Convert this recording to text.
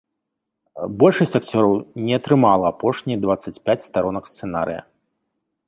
Большасць акцёраў не атрымала апошнія дваццаць пяць старонак сцэнарыя.